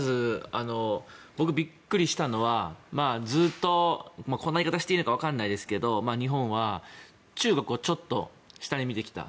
僕、びっくりしたのはこんな言い方していいのか分からないですけど、日本は中国をちょっと下に見てきた。